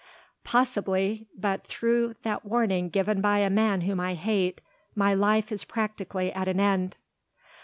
"Possibly. But through that warning given by a man whom I hate, my life is practically at an end."